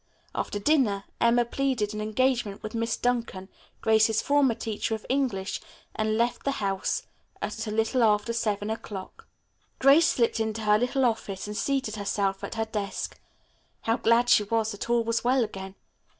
After dinner Emma pleaded an engagement with Miss Duncan, Grace's former teacher of English, and left the house at a little after seven o'clock. Grace slipped into her little office and seated herself at her desk. How glad she was that all was well again.